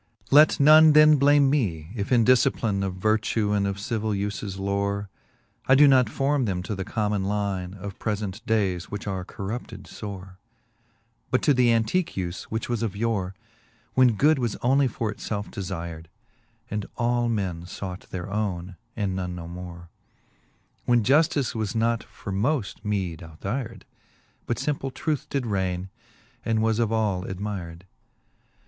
III. Let none then blame me, if in dilcipline Of vertue and of civill ufes lore, I doe not forme them to the common line Of prelent dayes, which are corrupted (ore, ' But to the antique ufe, which was of yore, When good was onely for it felfe defyred, And all men fought their owne, and none no more ; When Juftice was not for moft meed out hyred. But fimple truth did rayne, and was of all admyred.